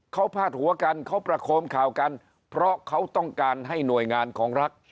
เขาพาดหัวกันเขาประโคมข่าวกันเพราะเขาต้องการให้หน่วยงานของรัฐ